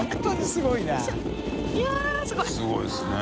すごいですね。